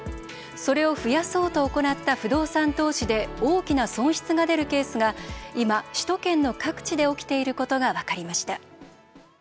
それを増やそうと行った不動産投資で大きな損失が出るケースが今首都圏の各地で起きていることが分かりました。